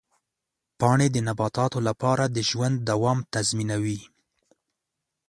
پاڼې د نباتاتو لپاره د ژوند دوام تضمینوي.